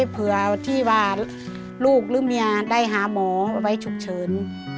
เผื่อที่ว่าลูกหรือเมียได้หาหมอไว้ฉุกเฉิน